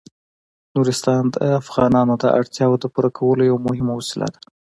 نورستان د افغانانو د اړتیاوو د پوره کولو یوه مهمه وسیله ده.